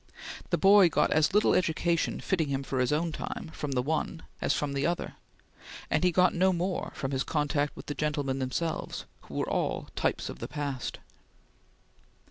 The boy got as little education, fitting him for his own time, from the one as from the other, and he got no more from his contact with the gentlemen themselves who were all types of the past.